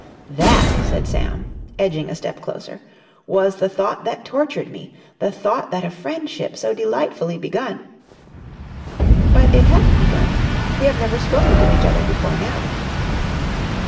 "That," said Sam, edging a step closer, "was the thought that tortured me, the thought that a friendship so delightfully begun...." "But it hadn't begun. We have never spoken to each other before now."